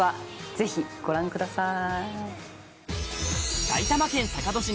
ぜひご覧ください。